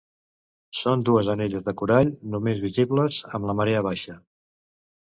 Són dues anelles de corall, només visibles amb la marea baixa.